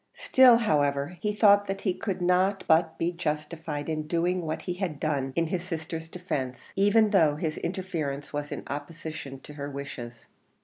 Still, however, he thought that he could not but be justified in doing what he had done in his sister's defence, even though his interference was in opposition to her wishes.